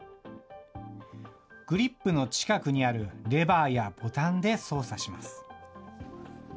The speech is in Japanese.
グリップの近くにあるレバーやボタンで操作します。